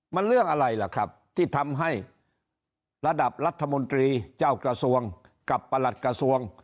มันเรื่องอะไรล่ะครับที่ทำให้ระดับรัฐมนตรีเจ้ากระทรวงกับประหลัดกระทรวง